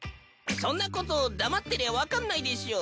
そんなこと黙ってりゃ分かんないでしょ。